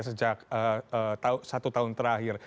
sejak satu tahun terakhir